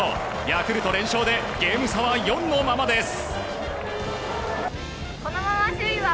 ヤクルト連勝でゲーム差は４のままです。